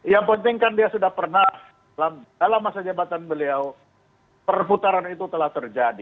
yang penting kan dia sudah pernah dalam masa jabatan beliau perputaran itu telah terjadi